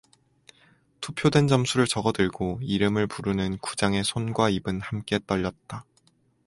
투표된 점수를 적어 들고 이름을 부르는 구장의 손과 입은 함께 떨렸다.